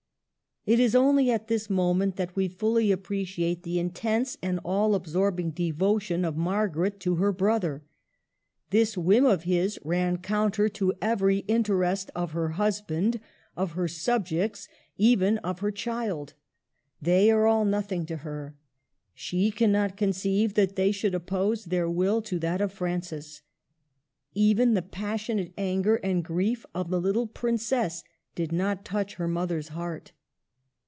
It is only at this moment that we fully appre ciate the intense and all absorbing devotion of Margaret to her brother. This whim of his ran counter to every interest of her husband, of her subjects, even of her child. They are all noth ing to her. She cannot conceive that they should oppose their will to that of Francis. Even the passionate anger and grief of the little princess did not touch her mother's heart.